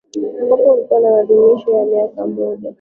ambapo ilikuwa ni maadhimisho ya miaka mia moja